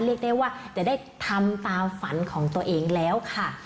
เรียกได้ว่าจะได้ทำตามฝันของตัวเองแล้วค่ะ